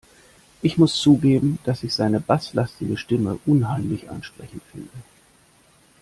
Ich muss zugeben, dass ich seine basslastige Stimme unheimlich ansprechend finde.